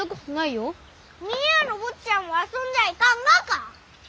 峰屋の坊ちゃんは遊んじゃいかんがか！？